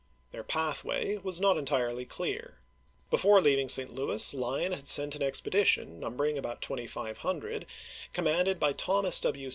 Their pathway was not entirely clear. Before leaving St. Louis, Lyon had sent an expedition numbering about 2500, commanded by Thomas W.